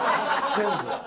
全部。